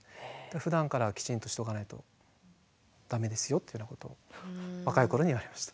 ふだんからきちんとしておかないと駄目ですよというようなことを若い頃に言われました。